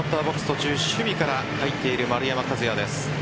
途中、守備から入っている丸山和郁です。